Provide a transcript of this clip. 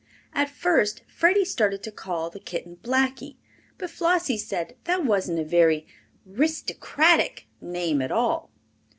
At first Freddie started to call the kitten Blackie, but Flossie said that wasn't a very "'ristocratic" name at all.